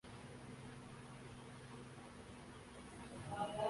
تو عید مختلف اوقات میں کیوں نہیں منائی جا سکتی؟